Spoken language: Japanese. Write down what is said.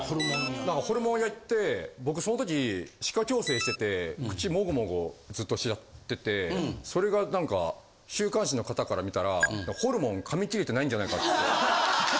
ホルモン屋行って僕そのとき歯科矯正してて口モゴモゴずっとやっててそれがなんか週刊誌の方から見たらホルモン噛み切れてないんじゃないかって。